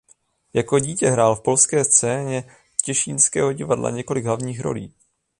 Jako dítě hrál v Polské scéně Těšínského divadla několik hlavních rolí.